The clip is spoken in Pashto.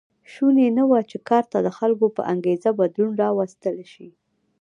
شونې نه وه چې کار ته د خلکو په انګېزه بدلون راوستل شي.